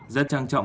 rất trang trọng